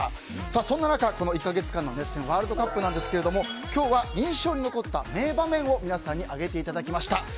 そんな中、この１か月間の熱戦ワールドカップなんですけれども今日は印象に残った名場面を皆さんに挙げていただきました。